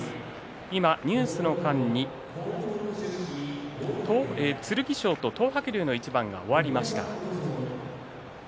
今、ニュースの間に剣翔と東白龍の一番が終わりました。